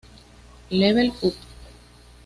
Level Up!